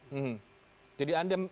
hmm jadi anda